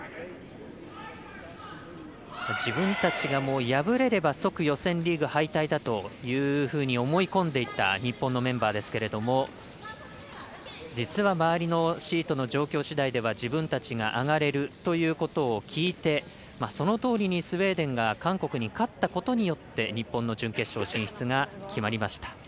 自分たちが、敗れれば即予選リーグ敗退だというふうに思い込んでいた日本のメンバーですけれども実は周りのシートの状況次第では自分たちが上がれるということを聞いてそのとおりにスウェーデンが韓国に勝ったことによって日本の準決勝進出が決まりました。